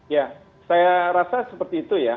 ya saya rasa seperti itu ya